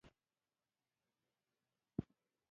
د پښتونخوا اوسیدونکي باید د خپلواکۍ لپاره کوښښ وکړي